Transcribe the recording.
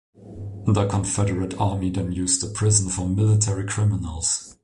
The Confederate Army then used the prison for military criminals.